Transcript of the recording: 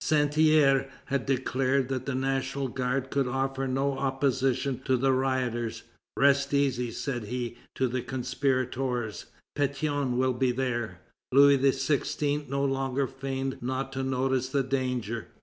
Santerre had declared that the National Guard could offer no opposition to the rioters. "Rest easy," said he to the conspirators; "Pétion will be there." Louis XVI. no longer feigned not to notice the danger.